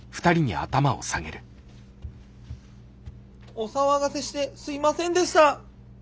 お騒がせしてすいませんでした。